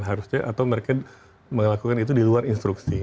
harusnya atau mereka melakukan itu di luar instruksi